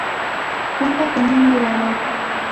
Cuenta con un mirador.